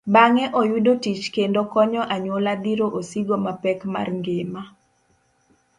Bang'e oyudo tich kendo konyo anyuola dhiro osigo mapek mar ngima.